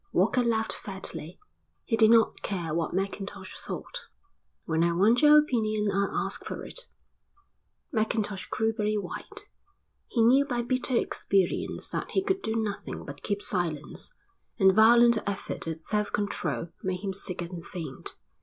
Walker laughed fatly. He did not care what Mackintosh thought. "When I want your opinion I'll ask for it." Mackintosh grew very white. He knew by bitter experience that he could do nothing but keep silence, and the violent effort at self control made him sick and faint.